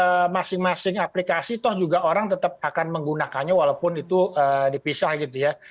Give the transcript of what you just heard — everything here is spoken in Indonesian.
dari masing masing aplikasi toh juga orang tetap akan menggunakannya walaupun itu dipisah gitu ya